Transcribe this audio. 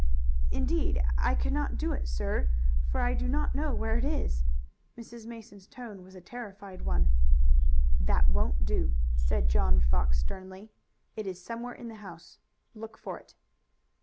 "Indeed I can't do it, sir, for I don't know where it is." Mrs. Mason's tone was a terrified one. "That won't do," said John Fox sternly. "It is somewhere in the house. Look for it."